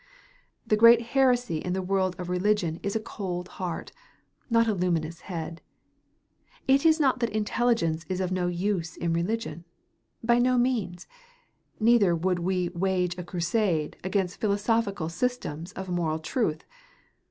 The great heresy in the world of religion is a cold heart, not a luminous head. It is not that intelligence is of no use in religion. By no means. Neither would we wage a crusade against philosophical systems of moral truth.